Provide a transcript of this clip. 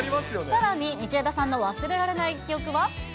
さらに、道枝さんの忘れられない記憶は？